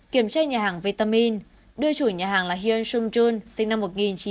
kiểm tra nhà hàng vitamin đưa chủ nhà hàng là hyun sung joon sinh năm một nghìn chín trăm tám mươi ba